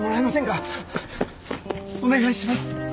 お願いします。